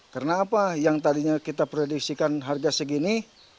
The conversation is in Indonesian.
karena apa yang tadinya kita prediksikan harga segini